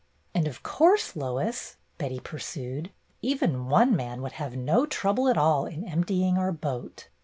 "And of course, Lois," Betty pursued, "even one man would have no trouble at all in emptying our boat.